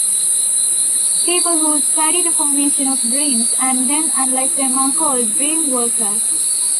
People who study the formation of dreams and then analyze them are called dreamworkers.